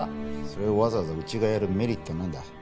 それをわざわざうちがやるメリットはなんだ？